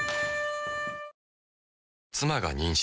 妻が妊娠。